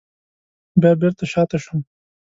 بیا بېرته شاته شوم.